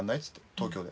東京で。